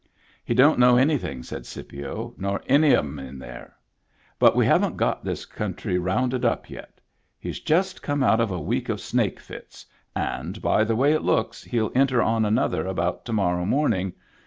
" He don't know anything," said Scipio, " nor any of 'em in there. But we haven't got this country rounded up yet. He's just come out of a week of snake fits, and, by the way it looks, he'll enter on another about to morrow morning.